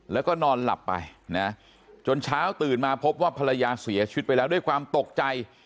แล้วก็นอนหลับไปนะจนเช้าตื่นมาพบว่าภรรยาเสียชีวิตไปแล้วด้วยความตกใจ